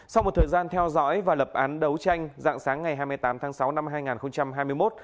sau một thời gian theo dõi và lập án đấu tranh dạng sáng ngày hai mươi tám tháng sáu năm hai nghìn hai mươi một